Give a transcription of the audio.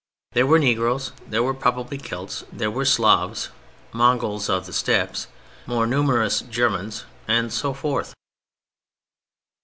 There were negroes, there were probably Celts, there were Slavs, Mongols of the Steppes, more numerous Germans, and so forth.